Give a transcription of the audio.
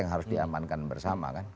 yang harus diamankan bersama kan